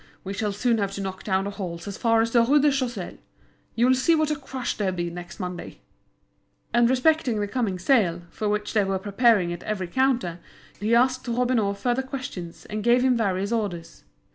We shall soon have to knock down the walls as far as the Rue de Choiseul. You'll see what a crush there'll be next Monday." And respecting the coming sale, for which they were preparing at every counter, he asked Robineau further questions and gave him various orders.